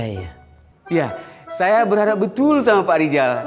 saya atasan selfie jadi begini pak rijal